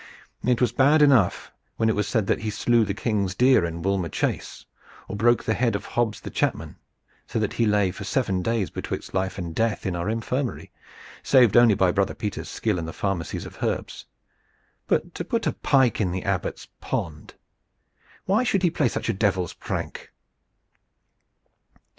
It was bad enough when it was said that he slew the King's deer in Woolmer Chase, or broke the head of Hobbs the chapman, so that he lay for seven days betwixt life and death in our infirmary, saved only by Brother Peter's skill in the pharmacies of herbs; but to put pike in the Abbot's pond why should he play such a devil's prank?"